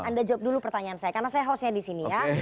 anda jawab dulu pertanyaan saya karena saya hostnya di sini ya